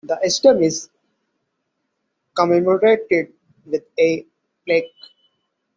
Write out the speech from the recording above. The stump is commemorated with a plaque.